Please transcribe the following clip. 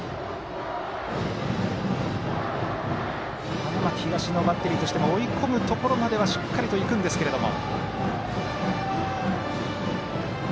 花巻東のバッテリーとしても追い込むところまではしっかりといくんですけれども。